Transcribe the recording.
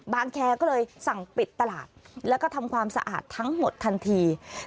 แคร์ก็เลยสั่งปิดตลาดแล้วก็ทำความสะอาดทั้งหมดทันที